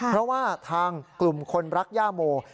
เพราะว่าทางกลุ่มคนรักย่าโม